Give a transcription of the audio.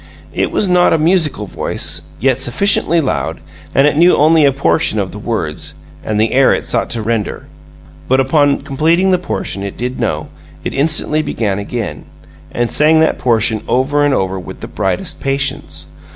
It was not a musical voice, yet sufficiently loud; and it knew only a portion of the words and air it sought to render, but, upon completing the portion it did know, it instantly began again, and sang that portion over and over with brightest patience.